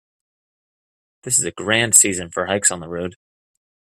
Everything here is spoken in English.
This is a grand season for hikes on the road.